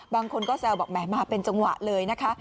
บางคนก็แซวบอกแหมมาเป็นจังหวะเลยนะคะ